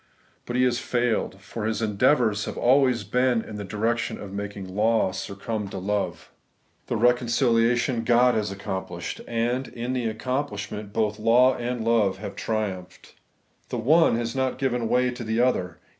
But he has failed ; for his endeavours have always been in the direction of making law succumb to love. The reconciKatiou God has accomplished ; and, in the accomplishment, both law and love have triumphed. The one ias not given way to the other.